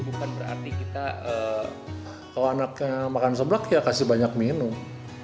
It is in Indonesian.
bukan berarti kita kalau anaknya makan seblak ya kasih banyak minum